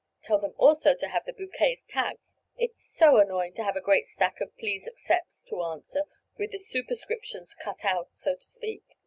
Tell them, also, to have the bouquets tagged—it's so annoying to have a great stack of 'Please accepts' to answer, with the superscriptions 'cut out' so to speak.